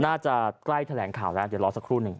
น่าจะใกล้แถลงข่าวแล้วเดี๋ยวรอสักครู่หนึ่ง